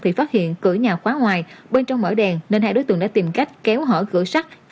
thì phát hiện cửa nhà khóa ngoài bên trong mở đèn nên hai đối tượng đã tìm cách kéo hở cửa sắt